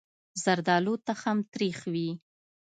زردالو تخم تریخ وي.